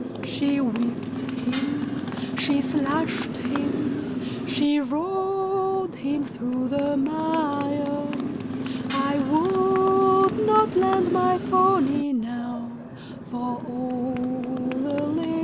She whipped him, she slashed him, She rode him through the mire; I would not lend my pony now, For all the lady's hire.